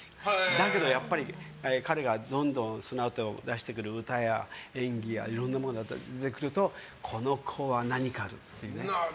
だけどやっぱり彼がどんどんそのあと出してくる歌や演技やいろんなものが出てくるとこの子は何かあるっていうね。